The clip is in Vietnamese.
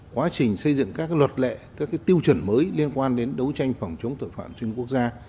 quá trình xây dựng các luật lệ các tiêu chuẩn mới liên quan đến đấu tranh phòng chống tội phạm trên quốc gia